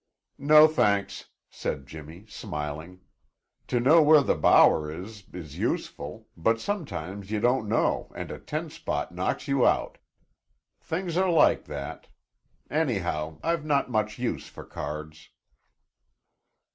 "No, thanks," said Jimmy, smiling. "To know where the bower is, is useful, but sometimes you don't know and a ten spot knocks you out. Things are like that. Anyhow I've not much use for cards."